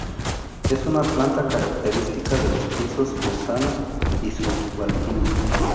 Es una planta característica de los pisos montano y subalpino.